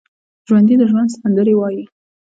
ژوندي د ژوند سندرې وايي